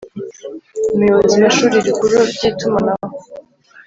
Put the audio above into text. Umuyobozi w Ishuri Rikuru ry Itumanaho